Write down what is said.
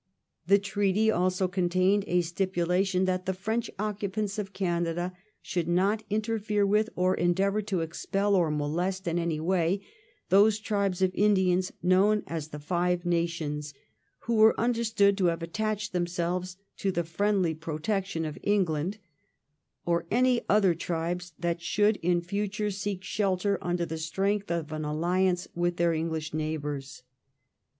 The treaty also contained a stipulation that the French occupants of Canada should not interfere with or endeavour to expel or molest in any way those tribes of Indians known as ' The Five Nations,' who were understood to have attached themselves to the friendly protection of England, or any other tribes that should in future seek shelter under the strength of an alliance with their EngUsh neighbours.